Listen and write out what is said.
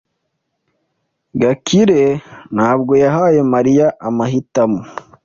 Gakire ntabwo yahaye Mariya amahitamo.